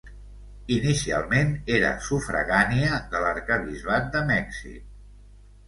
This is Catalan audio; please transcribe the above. Inicialment era sufragània de l'arquebisbat de Mèxic.